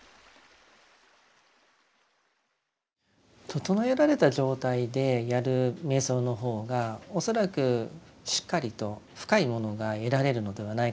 整えられた状態でやる瞑想の方が恐らくしっかりと深いものが得られるのではないかと思います。